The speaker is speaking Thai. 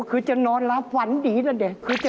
คือจะนอนแล้วฝันดีนั่นเอง